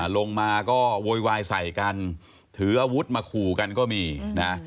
ลงมาก็โวยวายใส่กันถืออาวุธมาขู่กันก็มีนะ